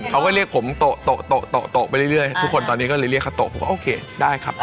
เขาก็เรียกผมโตะไปเรื่อยทุกคนตอนนี้ก็เลยเรียกคาโตะผมว่าโอเคได้ครับ